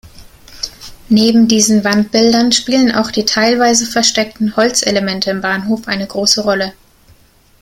Neben diesen Wandbildern spielen auch die teilweise versteckten Holzelemente im Bahnhof eine große Rolle.